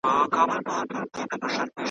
نه چي سهار کیږي له آذان سره به څه کوو .